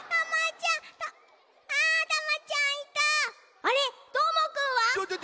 あっどーもくん。